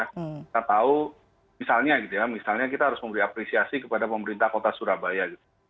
kita tahu misalnya gitu ya misalnya kita harus memberi apresiasi kepada pemerintah kota surabaya gitu